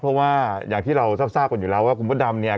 เพราะว่าอย่างที่เราทราบกันอยู่แล้วว่าคุณพระดำเนี่ย